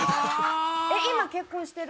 今結婚してる？